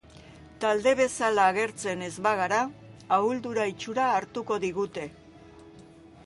Talde bezala agertzen ez bagara ahuldura itxura hartuko digute.